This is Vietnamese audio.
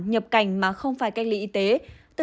nhập cảnh mà không được tiêm đủ